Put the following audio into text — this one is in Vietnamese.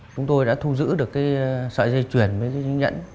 chúng tôi đã thu giữ được cái sợi dây chuyền với những nhẫn